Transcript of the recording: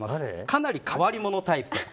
かなり変わり者タイプ。